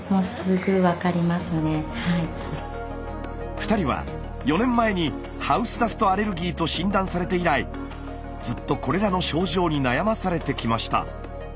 ２人は４年前にハウスダストアレルギーと診断されて以来ずっとこれらの症状に悩まされてきました。